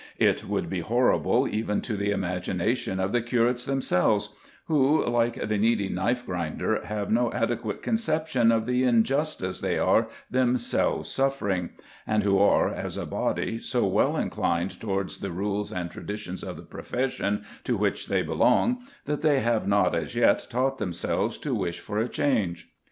It would be horrible even to the imagination of the curates themselves, who, like the needy knifegrinder, have no adequate conception of the injustice they are themselves suffering; and who are, as a body, so well inclined towards the rules and traditions of the profession to which they belong, that they have not as yet taught themselves to wish for a change.